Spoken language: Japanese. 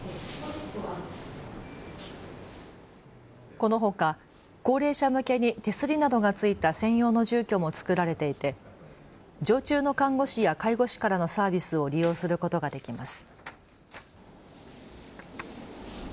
このほか高齢者向けに手すりなどが付いた専用の住居もつくられていて常駐の看護師や介護士からのサービスを利用することができます。